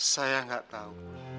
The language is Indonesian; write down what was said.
saya gak tahu